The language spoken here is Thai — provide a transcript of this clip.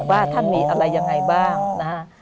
ว่าท่านมีอะไรยังไงบ้างนะฮะ